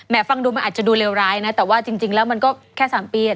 ฟังดูมันอาจจะดูเลวร้ายนะแต่ว่าจริงแล้วมันก็แค่๓ปี